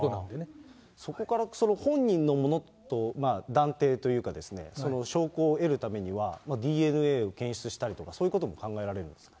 そこから本人のものと断定というか、その証拠を得るためには、ＤＮＡを検出したりとか、そういうことも考えられるんですか。